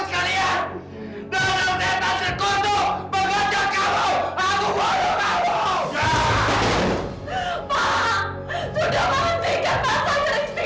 setiap hari aku memuji kamu mengabdiimu membandingkan kamu dan memberikan kamu sesatir